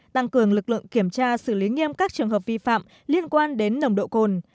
tăng cường lực lượng kiểm tra xử lý nghiêm các trường hợp vi phạm liên quan đến nồng độ cồn